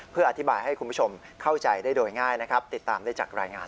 เพื่ออธิบายให้คุณผู้ชมเข้าใจได้โดยง่ายนะครับติดตามได้จากรายงาน